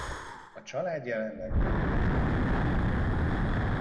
A család jelenleg Berlinben él.